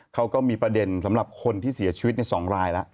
เขาก็มีประเด็นสำหรับคนที่เสียชีวิตใน๒รายแล้ว